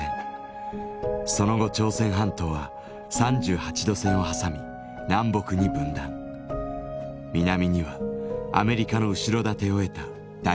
その後朝鮮半島は３８度線を挟み南北に分断南にはアメリカの後ろ盾を得た大韓民国。